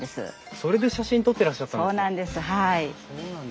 それで写真撮ってらっしゃったんですね。